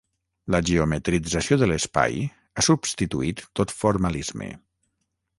La geometrització de l'espai ha substituït tot formalisme.